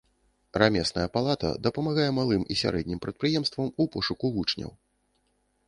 Рамесная палата дапамагае малым і сярэднім прадпрыемствам у пошуку вучняў.